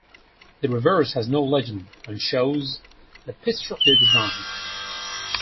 The reverse has no legend and shows the Pistrucci design.